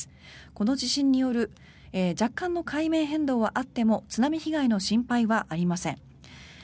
この地震による若干の海面変動はあっても津波被害の心配はありません。